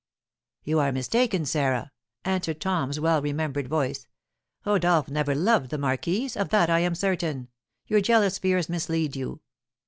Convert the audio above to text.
"You are mistaken, Sarah," answered Tom's well remembered voice; "Rodolph never loved the marquise; of that I am certain; your jealous fears mislead you."